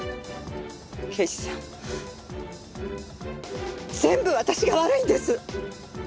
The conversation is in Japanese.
刑事さん全部私が悪いんです！